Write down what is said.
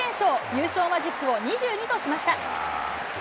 優勝マジックを２２としました。